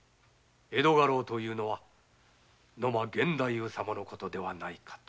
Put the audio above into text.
江戸家老というのは野間源太夫様のことではないかと。